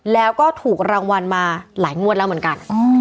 แล้วก็ถูกรางวัลมาหลายงวดแล้วเหมือนกัน